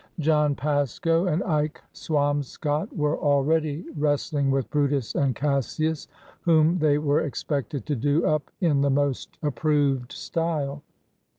John Pasco and Ike Swamscott were already wres tling with Brutus and Cassius, whom they were ex pected to do up in the most approved style.